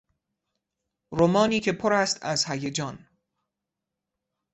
رمانی که پر است از هیجان